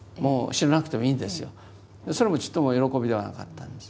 それもちっとも喜びではなかったんです。